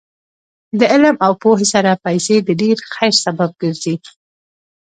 د علم او پوهې سره پیسې د ډېر خیر سبب ګرځي.